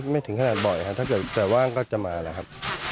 ไม่ถึงขนาดบ่อยค่ะถ้าเกิดสายว่างก็จะมาแหละครับ